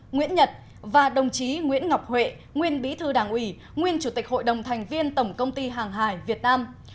nguyễn nhật và đồng chí nguyễn ngọc huệ nguyên bí thư đảng ủy nguyên chủ tịch hội đồng thành viên tổng công ty hàng hải việt nam